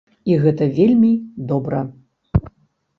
І гэта вельмі добра!